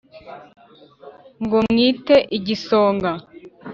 Ngo wmite igisonga.